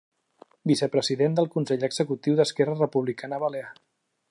Vicepresident del Consell Executiu d'Esquerra Republicana Balear.